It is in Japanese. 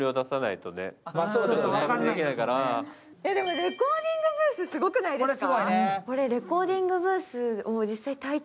レコーディングブース、すごくないですか？